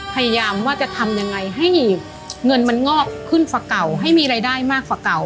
พยายามว่าจะทำยังไงให้เงินมันงอกขึ้นฝ่าเก่าให้มีรายได้มากกว่าเก่า